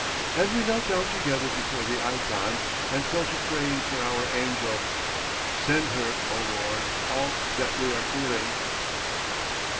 And we knelt down together before the ikon, and fell to praying for our angel: 'Send her, O Lord, all that we are feeling!'"